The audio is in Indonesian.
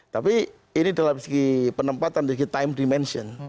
tapi ini dalam segi penempatan segi time dimention